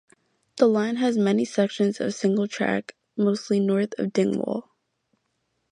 The line has many sections of single track, mostly north of Dingwall.